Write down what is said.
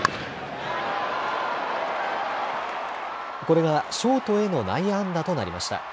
これがショートへの内野安打となりました。